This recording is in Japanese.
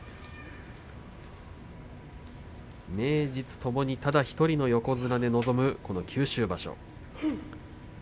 名実ともに、ただ１人の横綱で臨むこの九州場所。